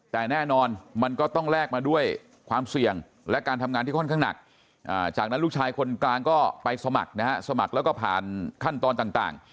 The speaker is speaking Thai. แต่แน่นอนมันก็ต้องแลกมาด้วยความเสี่ยงและการทำงานที่ค่อนข้างหนักจากนั้นลูกชายคนกลางก็ไปสมัครนะฮะสมัครแล้วก็ผ่านขั้นตอนต่าง